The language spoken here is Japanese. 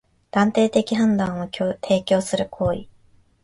断定的判断を提供する行為